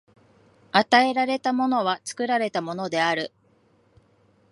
与えられたものは作られたものである。